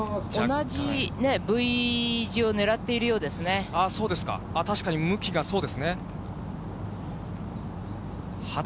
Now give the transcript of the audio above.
同じＶ字を狙っているようでそうですか。